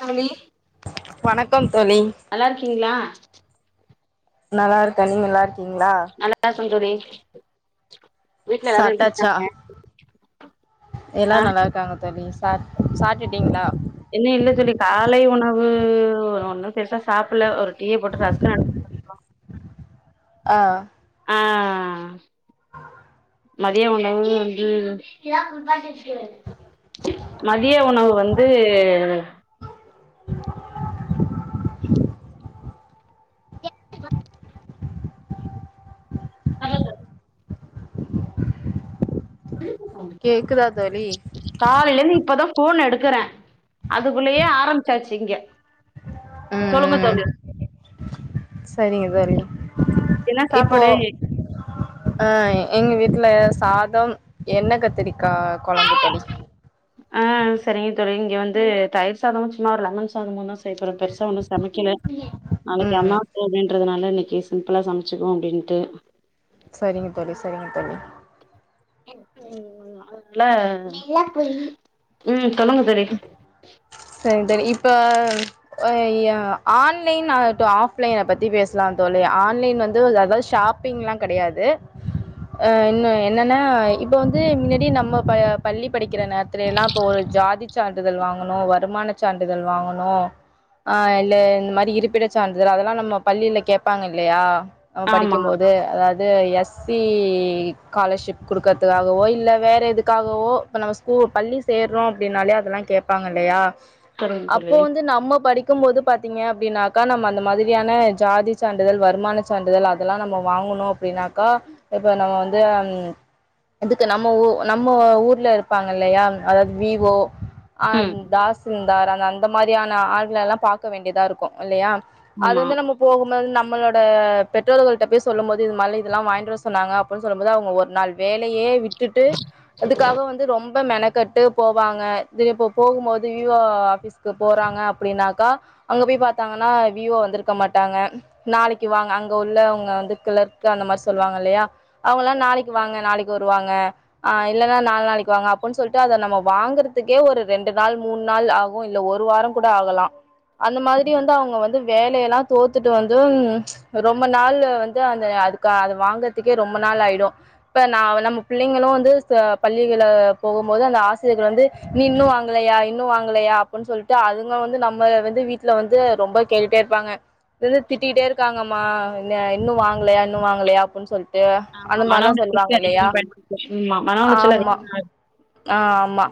தோழி வணக்கம் தோழி நல்லா இருக்கீங்களா நல்லா இருக்க நீங் நல்லா இருக்கீங்களா நல்லாருக்கே தோழி வீட்ல எல்லாரு எப்டி சாப்டாச்சா இருக்காங்க எல்லா ஆ நல்லா இருக்காங்க தோழி சா சாட்டுட்டீங்களா இன்னு இல்ல தோழி காலை உணவு ஒண்ணு பெருசா சாப்ல ஒரு டீய போட்டு ரஸ்க் நெனச் ஆ ஆ மதிய உணவு வந்து மதிய உணவு வந்து கேக்குதா தோழி காலையிலந்து இப்பதா போன எடுக்கறே அதுக்குள்ளயே ஆரமிச்சாச்சு இங்க சொல்லுங்க ம் தோழி ம் செரிங்க தோழி என்ன இப்போ சாப்பாடு அ எங்க வீட்ல சாதம் எண்ண கத்தரிக்கா குழம்பு தோழி ஆ சேரிங்க தோழி இங்க வந்து தயிர் சாதமும் சும்மா ஒரு லெமன் சாதமும் தான் செய்போற‌ பெருசா ஒன்னும் சமைக்கல [unintelligible] நாளைக்கு அம்மாவாச அப்டின்றதுனால இன்னைக்கு சிம்பிளா சமைச்க்குவோம் அப்டின்னுட்டு சரிங்க தோழி சரிங்க தோழி இல்ல ம் சொல்லுங்க தோழி செரிங்க தோழி இப்ப ஆ இ ஆன்லைன் ஆகட்டும் ஆஃப்லைன்ன பத்தி பேசலாம் தோழி ஆன்லைன் வந்து எதாவது ஷாப் பிங்லாம் கிடையாது ஆ இன்ன என்னன்னா இப்ப வந்து முன்னாடியே நம்ம ப பள்ளி படிக்கிற நேரத்துலல்லாம் இப்போ ஒரு ஜாதி சான்றிதழ் வாங்கணு வருமான சான்றிதழ் வாங்கணு ஆ இல்ல இந்த மாரி இருப்பிட சான்றிதல் அதெல்லாம் நம்ம பள்ளியில கேட்பாங்க இல்லையா நம்ம ஆமா படிக்கும்போது எ அதாவது எஸ் சி ஸ்காலர்ஷிப் கொடுக்கறதுக்காகவோ இல்ல வேற எதுக்காகவோ இப்ப நம்ம போ பள்ளி சேறோம் அப்டின்னாலே அதெல்லாம் கேட்பாங்க இல்லையா சொல்லுங்க தோழி அப்போ வந்து நம்ம படிக் இக்கும் போது பாத்தீங்க அப்டின்னாக்கா நம்ம அந்த மாதிரியான ஜாதி சான்றிதழ் வருமான சான்றிதழ் அதெல்லா நம்ம வாங்கணு அப்டினாக்கா இப்ப நம்ம வந்து இதுக்கு நம்ம ஊ நம்ம ஊர்ல இருப்பாங்க இல்லையா அதாவது வீவோ அந் ம் தாசிந்தார் அந்த அந்த மாரியான ஆள்கல்லா பாக்க வேண்டியதா இருக்கு இல்லையா அது ஆமா வந்து நம்ம போகும்போது நம்மளோட பெற்றோர்கள்ட்ட போய் சொல்லும்போது இதுமாரி இதெல்லா வாங்கிட்டு வர சொன்னாங்க சொல்லும்போது அவுங்க ஒரு நாள் வேலையே விட் டுட்டு அதுக்காக வந்து ரொம்ப மெனக்கட்டு போவாங்க இது இப்போ போகும்போது வீவோ ஆஃபீஸ்க்கு போறாங்க அப்டின்னாக்கா அங்க போய் பாத்தாங்கன்னா வீவோ வந்திருக்க மாட்டாங்க நாளைக்கு வாங்க அங்க உள்ள அவுங்க வந்த கிளர்க்கு அந்த மாரி சொல்லுவாங்க இல்லையா அவுங்களா நாளைக்கு வாங்க நாளைக்கு வருவாங்க ஆ இல்லன்னா நால் நாளைக்கு வாங்க அப்பன் சொல்ட்டு அத நம்ம வாங்கற துக்கே ஒரு ரெண்டு நாள் மூண் நாள் ஆகு இல்ல ஒரு வாரோ கூட ஆகலா அந்த மாரி வந்து அவுங்க வந்து வேலை எல்லா தோத்துட்டு வந்து ரொம்ப நாள் வந்து அந்த அதுக்கு அது வாங்கறதுக்கே ரொம்ப நாள் ஆயிடு இப்ப நா நம்ம பிள்ளைங்களு வந்து ச பள்ளிகள போகும் போது அந்த ஆசிரியர்கள் வந்து நீ இன்னு வாங்கலையா இன்னு வாங்கலையா அப்பன் சொல்ட்டு அதுங்க வந்து நம்மள வந்து வீட்ல வந்து ரொம்ப கேட்டுட்டே இருப்பாங்க என்ன திட்டிட்டே இருக்காங்கம்மா என்ன‌ இன்னு வாங்கலையா இன்னு வாங்கலையா அப்பின் சொல்ட்டு ஆமா அந்த மன மாரிலா சொல்வாங்க உளைச்சலுக்கு இல்லையா அதிகமா பயன்படுது ஆமா மன உளைச்சல் ஆமா அதிகமா ஆ ஆமா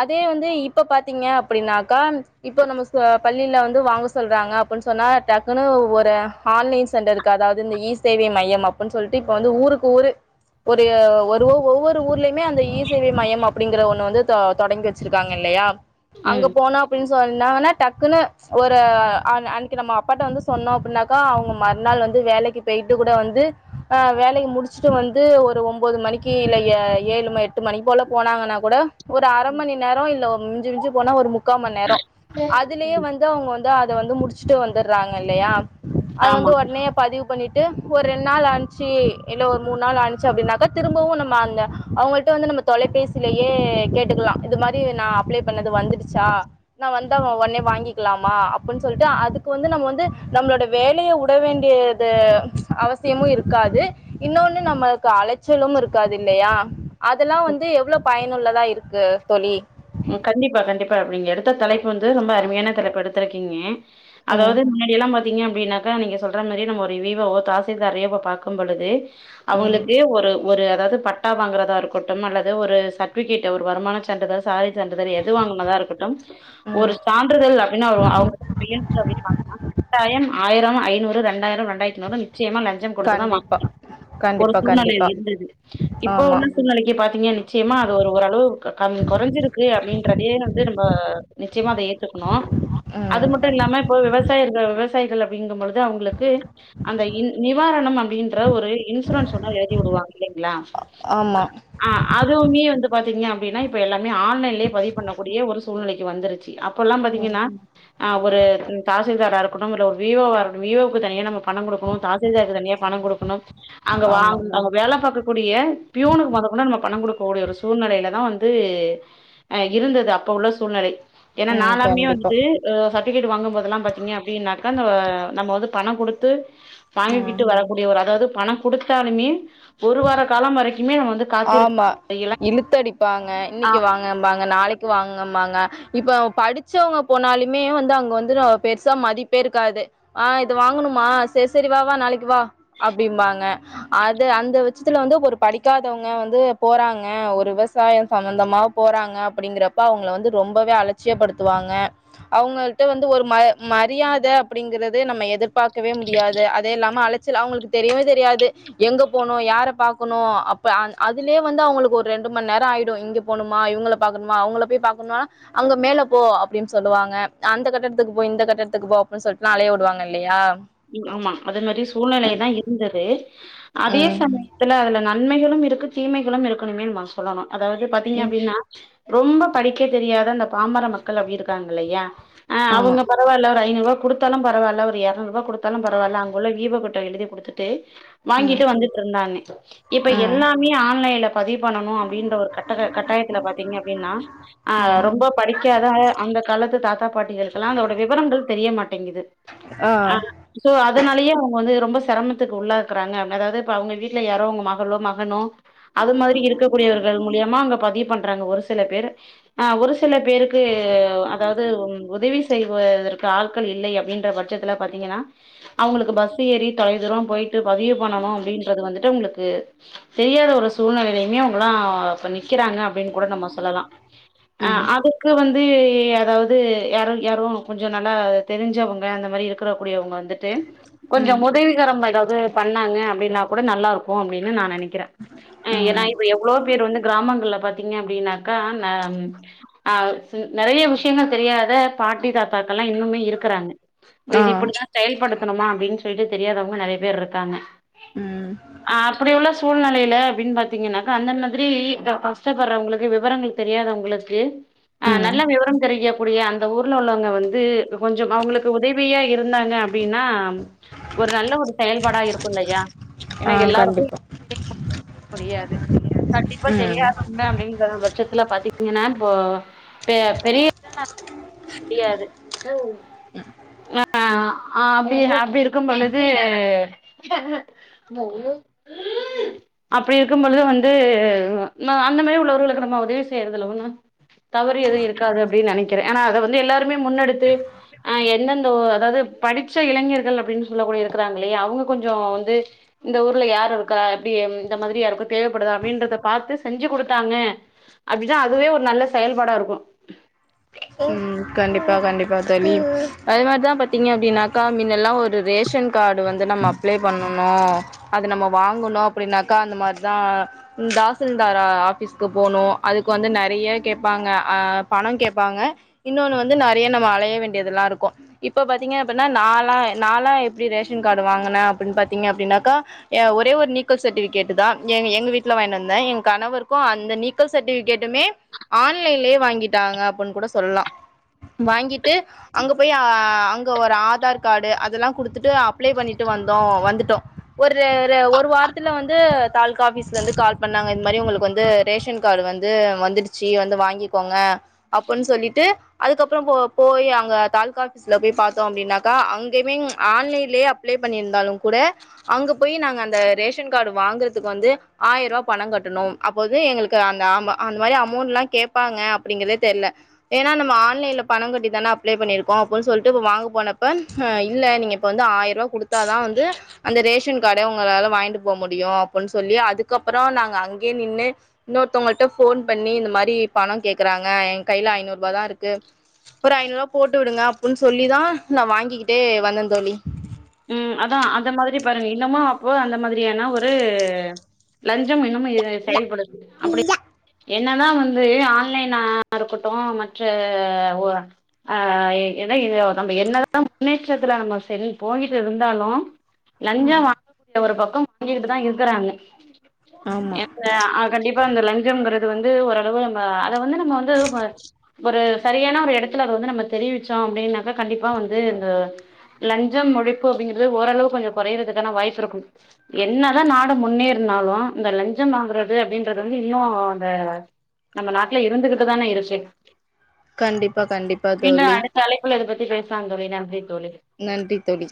அதே வந்து இப்ப பாத்தீங்க அப்படின்னாக்கா இப்ப நம்ம ச பள்ளியில வந்து வாங்க சொல்றாங்க அப்படின்னு சொன்னா டக்குன்னு ஒரு ஆன்லைன் சென்டருக்கு அதாவது இந்த இ சேவை மையம் அப்பன் சொல்ட்டு இப்ப வந்து ஊருக்கு ஊரு ஒரு ஒரு ஒவ்வொரு ஊருலையுமே அந்த ஈ சேவை மையம் அப்படிங்கற ஒண்ணு வந்து தொ தொடங்கி வச்சிருக்காங்க இல்லையா அங்க ம் போனா அப்டினு சொன்னாங்கனா டக்குன்னு ஒரு அன் அன்னைக்கு நம்ம அப்பாட்டா வந்து சொன்னோ அப்டின்னாக் கா அவுங்க மறுநாள் வந்து வேலைக்கு போயிட்டு கூட வந்து ஆ வேலைய முடிச்சுட்டு வந்து ஒரு ஒம்போது மணிக்கு இல்ல எ ஏழு ம எட்டு மணி போல போனாங்கன்னா கூட ஒரு அர மணி நேரோ இல்ல மிஞ்சு மிஞ்சு போனா ஒரு முக்காம நேரோ அது அதுலயே வந்து அவுங்க வந்து அத வந்து முடிச்சுட்டு வந்துடுறாங்க இல்லையா அது வந்து ஆமா ஒட்னே பதிவு பண்ணிட்டு ஒரு ரெண்டு நாள் ஆன்ச்சு இல்ல ஒரு மூண் நாள் ஆன்ச்சு அப்டின்னாக்கா திரும்பவு நம்ம அந்த அவுங்க ள்ட்டே வந்து நம்ம தொலைபேசியிலயே கேட்டுக்லா இது மாரி நா அப்ளை பண்ணது வந்துருச்சா நா வந்தா ஒட்ன்னே வாங்கிக்கலாமா அப்பன் சொல்ட்டு அதுக்கு வந்து நம்ம வந்து நம்மளோட வேலைய உட வேண்டிய த அவசியமு இருக்காது இன்னொன்னு நம்மளுக்கு அலைச்சலும் இருக்காது இல்லையா அதல்லா வந்து எவ்ளோ பயனுள்ளதா இருக்கு தோழி ம் கண்டிப்பா கண்டிப்பா அப் நீங்க எடுத்த தலைப்பு வந்து ரொம்ப அருமையான தலைப்பு எடுத்திருக்கீங்கே ம் அதாவது முன்னெய்ல்லா பாத்தீங்க அப்டின்னாக்கா நீங்க சொல்ற மாரி நம்ம வீவோவோ தாசில்தாரையோ இப்ப பாக்கும் பொழுது ம் அவுங்களுக்கு ஒரு ஒரு அதாவது பட்டா வாங்கறதா இருக்கட்டும் அல்லது ஒரு சர்டிவிகேட் ஒரு வருமான சான்றிதழ் சாதி சான்றிதழ் எது வாங்கனதா இருக்கட்டும் ஒரு ம் சான்றிதழ் அப்டின்னு அவரு அவுங்க பையன்க்கு அப்டின் வாங்கனா கட்டாயம் ஆயிரம் ஐநூறு ரெண்டாயிரம் ரெண்டாயிரத்தி நூறு நிச்சயமா லஞ்சம் கொடுத்துதா கண்டிப்பா வாங்கி ஒரு கண்டிப்பா சூழ்நெல கண்டிப்பா இருந்துது இப்ப ஆமா உள்ள சூழ்நிலைக்கு பாத்திங்க நிச்சயமா அது ஒரு ஓரளவுக் கம் கொறஞ்சிருக்கு அப்டின்றதே வந்து நம்ப நிச்சயமா அத ஏத்துக்கணு அது ம் மட்டு இல்லாம இப்போ விவசாயிர்கள் விவசாயிகள் அப்டிங்கும்பொழுது அவுங்களுக் டு அந்த இன் நிவாரணம் அப்படின்ற ஒரு இன்சூரன்ஸ் ஒன்ன எழுதி வுடுவாங்க இல்லைங்ளா ஆமா ஆ அதுவுமே வந்து பாத்தீங்க அப்டின்னா இப்ப எல்லாமே ஆன்லைன்லே பதிவு பண்ணக்கூடிய ஒரு சூழ்நிலைக்கு வந்துருச்சு அப்பெல்லா ம் பாத்தீங்கன்னா ஆ ஒரு தாசில்தாரா இருக்கட்டு இல்ல ஒரு வி வோவா இருக்கட்டு வி வோக்கு தனியா நம்ம பணம் குடுக்கணு தாசில்தாரு தனியா பணம் குடுக்கணு அங்க ஆமா வாங்க அங்க வேல பாக்க கூடிய பியூனுக்கு மொத கொண்டு நம்ம பணம் குடுக்க கூடிய ஒரு சூழ்நிலையில தா வந்து து அ இருந்தது அப்ப உள்ள சூழ்நிலை ஏனா ம் நாளாமே கண்டிப்பா வந்துட்டு அ சர்டிபிகேட் வாங்கும்போதுலா பாத்தீங்க அப்படின்னாக்கா அந்த நம்ம வந்து பணம் குடுத்து ம் தாங்கிக்கிட்டு வரக்கூடிய ஒரு அதாவது பணம் குடுத்தாலுமே ஒரு வார காலம் வரைக்குமே நம்ம வந்து காத்திருக்க ஆமா இழுத்தடிப்பாங்க இன்னைக்கு வாங்கம்பாங்க நாளைக்கு வாங்கம்பாங்க இப்ப படிச்சவங்க போனாலுமே வந்து அங்க வந்து பெருசா மதிப்பே இருக்காது ஆ இது வாங்கணுமா செரி செரி வா வா நாளைக்கு வா அப்டிம்பாங்க அது அந்த விச்சத்துல வந்து ஒரு படிக்கா தவங்க வந்து போறாங்க ஒரு விவசாயம் சம்பந்தமா போறாங்க அப்டிங்கறப்ப அவங்கள வந்து ரொம்பவே அலச் சியப்படுத்துவாங்க அவங்கள்ட வந்து ஒரு ம மரியாத அப்படிங்கறதே நம்ம எதிர்பார்க் கவே முடியாது அதே இல்லாம அழச்சல் அவங்களுக்கு தெரியவே தெரியாது எங்க போனு யார பாக்கணு அப் இப்ப அ அதுலே வந்து அவங்ளுக்கு ஒரு ரெண்டு மண் நேரோ ஆயிடு இங்க போணுமா இவங்கங்கள பாக்கணுமா அவங்கள போய் பாக்கண்ணா அங்க மேல போ அப்டின் சொல்லுவாங்க அந்த கட்டத்துக்கு போ இந்த கட்டத்துக்கு போ அப்டின் சொல்லிட்டு அலைய விடுவாங்க இல்லையா ம் ஆமா அது மாரி சூழ்நிலையாதா இருந்தது அதே ம் சமயோ துல அதுல நன்மைகளும் இருக்கு தீமைகளும் இருக்குணுமே நம்ம சொல்லணு அதாவது பாத்தீங்க ம் அப்டின்னா ரொம்ப படிக்க தெரியாத அந்த பாம்பர மக்கள் அப்படி இருக்காங்க இல்லையா அ ஆமா அவுங்க பாத் பரவால்ல ஒரு ஐநூறுவா குடுத்தாலும் பரவால்ல ஒரு எரநூறு ரூபா குடுத் தாலும் பரவால்ல அங்குள்ள வீ வோ கிட்ட எழுதி கொடுத்துட்டு ம் வாங்கிட்டு வந்துட்டு இருந்தாங்க இப்ப ம் எல்லாமே ஆன்லைன்ல பதிவு பண்ணணு அப்டின்ற ஒரு கட்ட கட்டாயத்துல பாத்தீங்க அப்டின்னா அ ம் ரொம்ப படிக்காத அந்த காலத்து தாத்தா பாட்டிகளுக்கெல்லா அதோட விவரங்கள் தெரியமாட்டேங்குது ஆ சோ அதனாலயே அவுங்க வந்து ரொம்ப சிரமத்துக்கு உள்ளாக்குறாங்க அதாவ்து இப்ப அவுங்க வீட்டுல யாரோ அவுங்க மகளோ மகனோ அது மாரி இருக்கக்கூடியவர்கள் மூலியமா அங்க பதிவு பண்றாங்க ஒரு சில பேரு ஆ ஒரு சில பேருக்கு அதாவ்து உதவி செய்வதற்கு ஆட்கள் இல்லை அப்படின்ற பட்சத்துல பாத்தீங்கன்னா அவங்களுக்கு பஸ்ஸு ஏறி தொலைதூரம் போயிட்டு பதிவு பண்ணணு அப்டின்றது வந்துட்டு அவங்ளுக்கு தெரியாத ஒரு சூழ்நிலைலேமே அவங்களா இப்ப நிக்கிறாங்க அப்டின் கூட நம்ம சொல்லலா அ ம் அது கு வந்து யாராவது யாரு யாரு கொஞ்சோ நல்லா தெரிஞ்சவங்க அந்த மாரி இருக்ற கூடியவங்க வந் து கொஞ்சோ ம் ம் உதவிகரம் ஏதாவ்து பண்ணாங்க அப்டின்னா கூட நல்லா இருக்கு அப்டினு நா நெனைக் கிறே அ ஏனா எவ்ளோ பேர் வந்து கிராமங்கள்ல பாத்தீங்க அப்படின்னாக்கா ந ஆ சு நெறைய விஷயங்கள் தெரியாத பாட்டி தாத்தாக்கெல்லா இன்னுமே இருக்குறாங்க இப்ப ஆ இது இப்டிதா செயல்படுத்தணுமா அப்டின் சொல்ட்டு தெரியாதவங்க நெறைய பேர் இருக்காங்க ம் ஆ அப்படி உள்ள சூழ்நிலையில அப்டின் பாத்தீங்கன்னாக்கா அந்த மாதிரி க கஷ்டப்படுறவங்களுக்கு விவரங்கள் தெரியாதவங்களுக்கு ஆ ம் நல்ல விவரம் தெரிய கூடிய அந்த ஊர்ல உள்ளவங்க வந்து கொஞ்சம் அவங்களுக்கு உதவியா இருந்தாங்க அப்டின்னா ஒரு நல்ல ஒரு செயல்பாட இருக்கு இல்லையா ஆ ஏனா எல்லாருக்கு [inaudible] கண்டிப்பா முடியாது கண்டிப்பா ம் தெரியாதா உண்ம அப்படிங்கற பட்சத்துல பாத்தீங்கன்னா இப்போ பெரிய முடியாது அ ஆ அப்புடி அப்டி இருக்கம் பொழுது அப்டி இருக்கம் பொழுது வந்து அந்த மாரி உள்ளவர்களுக்கு நம்ம உதவி செய்யறதுஒன்னு தவறு எது இருக்காது அப்டின் நெனைக்கிறே ஏனா அத வந்து எல்லாருமே முன்னெடுத்து அ எந்தெந்த அதாவுது படிச்ச இளைஞர்கள் அப்டின்னு சொல்ல கூடிய இருக்கிறாங்க இல்லியா அவ்ங்க கொஞ்சோ வந்து இந்த ஊர்ல யாருருக்கா அப்டி இந்த மாதிரி யாருக்கு தேவைப்படுதா அப்படின்றத பாத்து செஞ்சு குடுத்தாங்க அப்டின்னா அதுவே ஒரு நல்ல செயல்பாடா இருக்கு ம் கண்டிப்பா கண்டிப்பா தொலி அதே மாரிதா பாத்தீங்க அப்டின்னாக்கா மின்னல்லா ஒரு ரேஷன் காடு வந்து நம்ம அப்ளே பண்ணணு அத நம்ம வாங்கணு அப்டின்னாக்கா அந்த மார்தா தாசில்தார் ஆபிஸ்க்கு போனு அதுக்கு வந்து நெறைய கேப்பாங்க அ பணோ கேப் ப்பாங்க இன்னொன்னு வந்து நிறைய நம்ம அலைய வேண்டியதெல்லா இருக்கு இப்ப பாத்தீங்க அப்டின்னா நாலா நாலா எப்டி ரேஷன் காடு வாங்குன அப்டின்னு பாத்தீங்க அப்டின்னாக்கா ஏ ஒரே ஒரு நீக்கல் சர்டிபிகேடு தா எங்க வீட்ல வாங்கினு வந்தே எங்க கணவருக்கு அந்த நீக் கல் சடுபிகேட்டுமே ஆன்லைன்லயே வாங்கிட்டாங்க அப்டின் கூட சொல்லா வாங்கிட்டு அங்க போயி அ அங்க ஒரு ஆதார் காடு அதெல்லா குடுத்துட்டு அப்ளே பண்ணிட்டு வந்தோ வந்துட்டோ ஒர்ரு ஒரு வாரத்துல வந்து தாலுா ஆபிஸ்ல இந்து கால் பண்ணாங்க இது மாரி உங்களுக்கு வந்து ரேஷன் காடு வந்து வந்துடுச்சி வந்து வாங்கிக்கோங்க அப்புன் சொல்லிட்டு அதுக்கப்புறோ போயி அங்க தாலுகா ஆபீஸ்ல பேய் பாத்தோ அப்டின்னாக்கா அங்கயுமே ஆன்லைன்லயே அப் அப்ளே பண்ணியிருந்தாலு கூட அங்க போயி நாங்க அந்த ரேஷன் காடு வாங்குற்துக்கு வந்து ஆயிருவா பணம் கட்டணு அப்போது எங்களுக்கு அந்த ஆமா அந்த மாரி அமௌண்ட் எல்லா கேப்பாங்க அப்டிங்கதே தெரில ஏன்னா நம்ம ஆன்லைன்ல பணோ கட்டி தானே அப்ளே பண்ணியிருக்கோ அப்புன் சொல்ட்டு இப்ப வாங்க போனப்ப இல்ல நீங்க இப்போ வந்து ஆயிருவா குடுத்தாதா வந்து அந்த ரேஷன் காடே உங்களாள வாங்கிட்டு போவ் முடியு அப்டின் சொல்லி அதுக்கப்புறோ நாங்க அங்கே நின்று இன்னொருத்தவ்கள்ட போன் பண்ணி இந்த மாரி பணோ கேக்குறாங்க அ எ கையில ஐநூறுபா தா இருக்கு ஒரு ஐநூறுவா போட்டு விடுங்க அப்புன் சொல்லி தா நா வாங்கிக்கிட்டே வந்த தோழி ம் அதா அந்த மாதிரி பாருங்க இன்னமா அப்போ அந்த மாதிரி ஏனா ஒரு லஞ்சம் இன்னமே செயல்படுது அப்புடி என்னதா வந்து ஆன்லைனா இருக்கட்டு மற்ற அ எத எங்க நம்ம என்னதா முன்னேற்றத்துல நம்ம செல் போயிட்டு இருந்தாலு லஞ்ச வாங்கக்கூடிய ஒரு பக்கோ வாங்கிட்டு தா இருக்கறாங்க ஆமா என்ன அ கண்டிப்பா இந்த லஞ்சம்ங்கிறது வந்து ஓரளவு அத வந்து நம்ம வந்து வ ஒரு சரியான ஒரு இடத்துலது வந்து நம்ம தெரிவிச்சோ அப்டின்னாக்கா கண்டிப்பா வந்து இந்த லஞ் ஞ்சம் ஒழிப்பு அப்படிங்கர்து ஓரளவு கொஞ்சோ குறையறிதுக்கான வாய்ப்பு இருக்கு என்னதா நாடு முன்னேறினாலு இந்த லஞ்சம் வாங்குறது அப்டின்றது வந்து இன்னு அந்த நம்ம நாட்ல இருந்துகிட்டுதான இருச்சு கண்டிப்பா கண்டிப்பா மீண்டு தோழி அடுத்த அழைப்புல இத பத்தி பேசலாந் தோழி நன்றி தோழி நன்றி தோழி